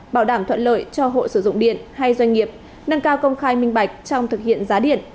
bảo đảm thuận lợi cho hộ sử dụng điện hay doanh nghiệp nâng cao công khai minh bạch trong thực hiện giá điện